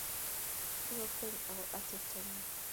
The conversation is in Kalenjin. Kigikwongye ago atepto nyi